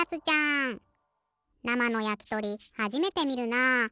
なまのやきとりはじめてみるな。